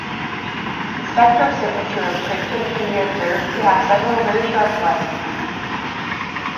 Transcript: The spectral signature of krypton can be observed to have several very sharp lines.